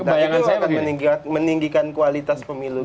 tapi itu akan meninggikan kualitas pemilu kita